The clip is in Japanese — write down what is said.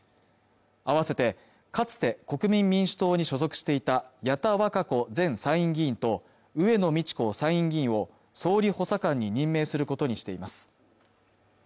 併せてかつて国民民主党に所属していた矢田稚子前参院議員と上野通子参院議員を総理補佐官に任命することにしています